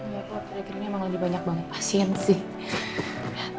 ya pak terakhir ini emang lagi banyak banget pasien sih